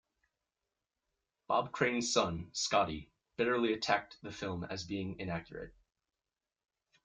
Bob Crane's son, Scotty, bitterly attacked the film as being inaccurate.